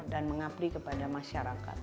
dan mengabdi kepada masyarakat